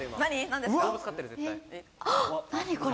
何これ？